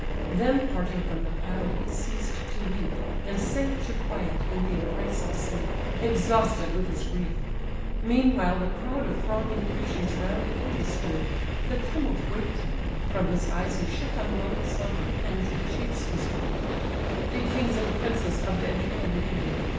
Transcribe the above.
Then parting from the pile he ceased to weep, And sank to quiet in the embrace of sleep, Exhausted with his grief: meanwhile the crowd Of thronging Grecians round Achilles stood; The tumult waked him: from his eyes he shook Unwilling slumber, and the chiefs bespoke: "Ye kings and princes of the Achaian name!